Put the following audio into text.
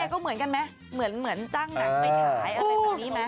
เนี้ยก็เหมือนกันไหมเหมือนจ้างหนังใบฉายเอาใหม่บนนี้มา